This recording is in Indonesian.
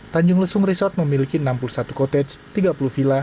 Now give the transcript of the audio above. tanjung lesung resort memiliki enam puluh satu cottage tiga puluh villa